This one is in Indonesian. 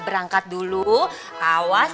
berangkat dulu awas